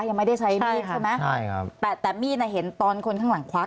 ยังไม่ได้ใช้มีดใช่ไหมใช่ครับแต่แต่มีดน่ะเห็นตอนคนข้างหลังควัก